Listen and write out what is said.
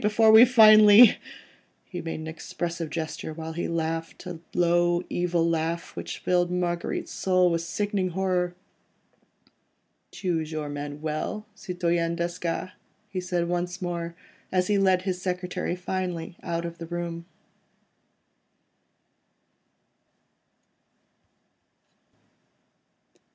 ... before we finally .. ."—he made an expressive gesture, whilst he laughed a low, evil laugh, which filled Marguerite's soul with sickening horror. "Choose your men well, Citoyen Desgas," he said once more, as he led his secretary finally out of the room.